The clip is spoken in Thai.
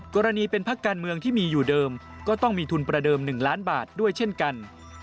กรณีเป็นพักการเมืองที่มีอยู่เดิมก็ต้องมีทุนประเดิม๑ล้านบาทด้วยเช่นกัน